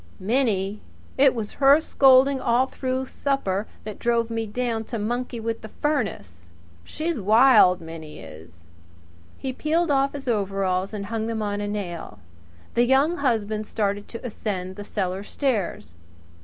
"Minnie! It was her scolding all through supper that drove me down to monkey with the furnace. She's wild Minnie is." He peeled off his overalls and hung them on a nail. The Young Husband started to ascend the cellar stairs.